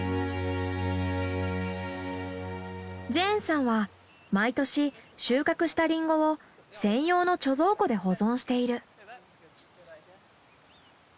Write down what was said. ジェーンさんは毎年収穫したリンゴを専用の貯蔵庫で保存している。